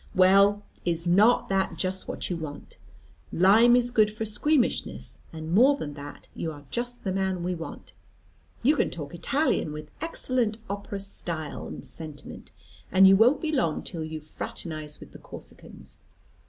"Well, is not that just what you want? Lime is good for squeamishness. And more than that, you are just the man we want. You can talk Italian with excellent opera style and sentiment; and you won't be long till you fraternise with the Corsicans.